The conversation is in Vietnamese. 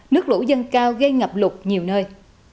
nước lũ dân cao gây ngập lục nhiều nơi